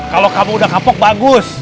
kalau kamu udah kapok bagus